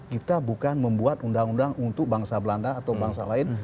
kita bukan membuat undang undang untuk bangsa belanda atau bangsa lain